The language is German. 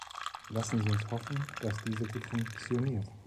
Lassen Sie uns hoffen, dass diese gut funktioniert.